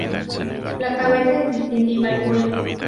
La cabeza es distintiva al cuello.